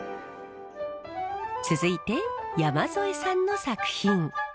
続いて山添さんの作品。